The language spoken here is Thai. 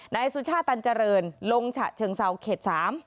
นายสุชาติตัญจรณลงฉะเชิงเศร้าเขต๓